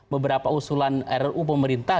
beberapa usulan rru pemerintah